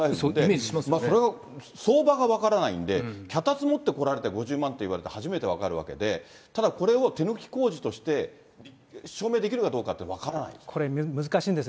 その相場が分からないんで、脚立持ってこられて５０万って言われて初めて分かるわけで、ただ、これを手抜き工事として証明できるかどうかというのは分かこれ、難しいんですよ。